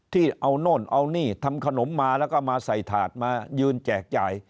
ที่เอาโน่นเอานี่ทำขนมมาแล้วก็มาใส่ถาดมายืนแจกจ่าย